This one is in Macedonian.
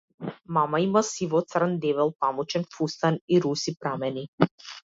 Мама има сиво-црн дебел памучен фустан и руси прамени.